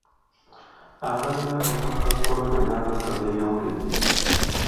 Abalina akawuka ka kolona n'abafa beeyongedde.